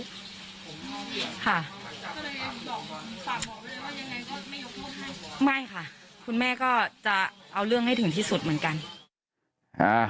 คุณแม่ก็จะเอาเรื่องให้ถึงที่สุดเหมือนกัน